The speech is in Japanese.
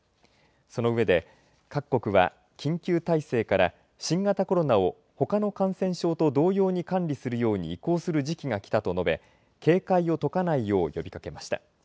その上で各国は緊急体制から新型コロナをほかの感染症と同様に管理するように移行する時期がきたと述べ警戒を解かないよう呼びかけました。